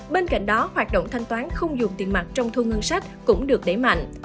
bên cạnh đó hoạt động thanh toán không dùng tiền mặt trong thu ngân sách cũng được đẩy mạnh